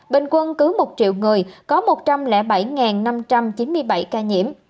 bình quân cứ một triệu người có một trăm linh bảy năm trăm chín mươi bảy ca nhiễm